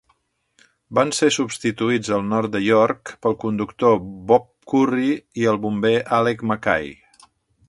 Van ser substituïts al nord de York pel conductor Bob Currie i el bomber Alec Mackay.